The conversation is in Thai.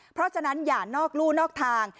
เพราะฉะนั้นอย่านอกลู่นอกทาง